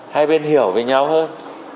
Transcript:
hai bên hiểu về nhau hơn